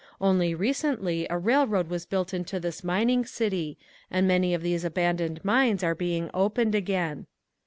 Only recently a railroad was built into this mining city and many of these abandoned mines are being opened again.